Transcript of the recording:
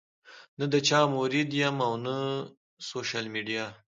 نۀ د چا مريد يم او نۀ سوشل ميډيا